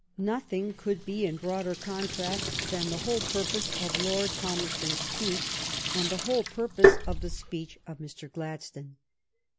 Nothing could be in broader contrast than the whole purpose of Lord Palmerston's speech and the whole purpose of the speech of Mr. Gladstone.